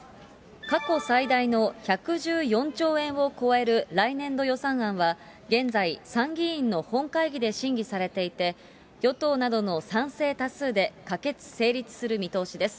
過去最大の１１４兆円を超える来年度予算案は、現在、参議院の本会議で審議されていて、与党などの賛成多数で可決・成立する見通しです。